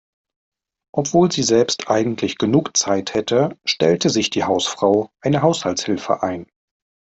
Obwohl sie selbst eigentlich genug Zeit hätte, stellt sich die Hausfrau eine Haushaltshilfe ein.